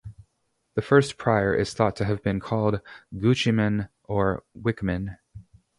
The first prior is thought to have been called Guicheman or Wickeman.